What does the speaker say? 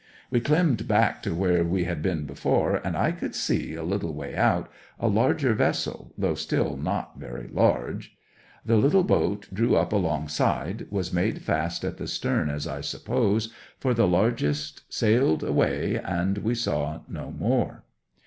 We climmed back to where we had been before, and I could see, a little way out, a larger vessel, though still not very large. The little boat drew up alongside, was made fast at the stern as I suppose, for the largest sailed away, and we saw no more.